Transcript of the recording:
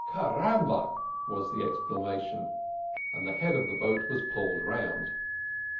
"Carambo!" was the exclamation and the head of the boat was pulled round.